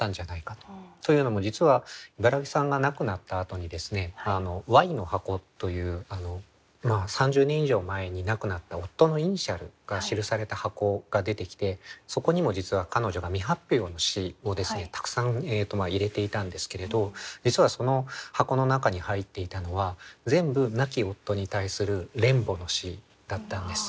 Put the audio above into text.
というのも実は茨木さんが亡くなったあとにＹの箱という３０年以上前に亡くなった夫のイニシャルが記された箱が出てきてそこにも実は彼女が未発表の詩をたくさん入れていたんですけれど実はその箱の中に入っていたのは全部亡き夫に対する恋慕の詩だったんです。